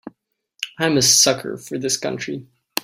I'm a sucker for this country.